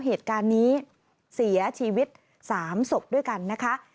เหตุการณ์นี้เสียชีวิต๓ศพด้วยกันนะคะ